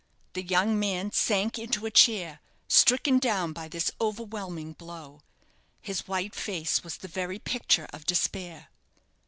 The young man sank into a chair, stricken down by this overwhelming blow. His white face was the very picture of despair.